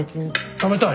食べたい！